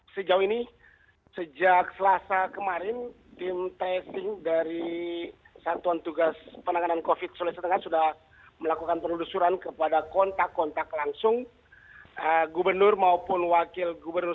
sejauh ini sejak selasa kemarin tim testing dari satuan tugas penanganan covid sulawesi tengah sudah melakukan penelusuran kepada kontak kontak langsung gubernur maupun wakil gubernur